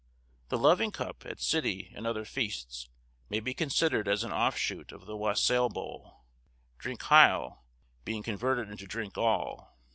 The loving cup, at city and other feasts, may be considered as an offshoot of the wassail bowl, drinc heil being converted into drink all.